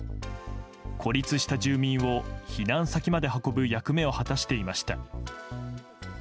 孤立した住民を避難先まで運ぶ役目を果たしていました。